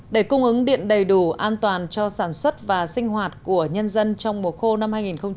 để cung ứng điện đầy đủ an toàn cho sản xuất và sinh hoạt của nhân dân trong mùa khô năm hai nghìn hai mươi